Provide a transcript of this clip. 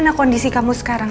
maksudnya semua seseorang